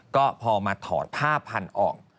ก็พอมาถอดผ้าพันธุ์ออก